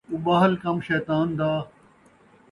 اُٻاہل کم شیطان دا